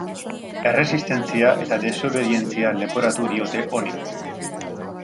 Erresistentzia eta desobedientzia leporatu diote honi.